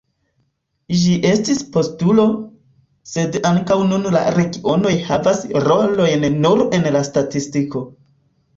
Ĝi estis postulo, sed ankaŭ nun la regionoj havas rolojn nur en la statistiko.